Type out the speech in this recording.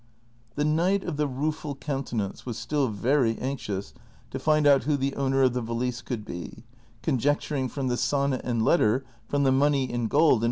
The Knight of the Rueful Countenance was still very anx ious to find out who the owner of the valise could be, conjectur ing from the sonnet and letter, from the money in gold, and CHAPTER XX ITT.